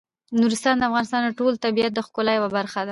نورستان د افغانستان د ټول طبیعت د ښکلا یوه برخه ده.